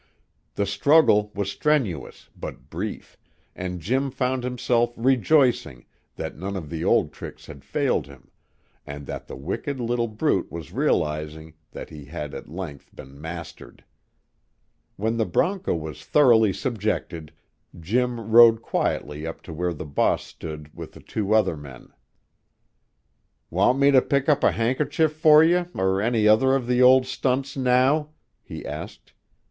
The struggle was strenuous but brief, and Jim found himself rejoicing that none of the old tricks had failed him, and that the wicked little brute was realizing that he had at length been mastered. When the bronco was thoroughly subjected, Jim rode quietly up to where the boss stood with the two other men. "Want me to pick up a handkerchief for you, or any other of the old stunts, now?" he asked.